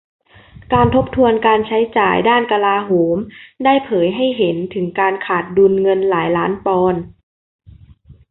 การทบทวนการใช้จ่ายด้านกลาโหมได้เผยให้เห็นถึงการขาดดุลเงินหลายล้านปอนด์